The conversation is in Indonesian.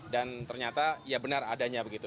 dan ternyata ya benar adanya begitu